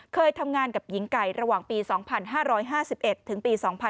เคยทำงานกับหญิงไก่ระหว่างปี๒๕๕๑ถึงปี๒๕๕๙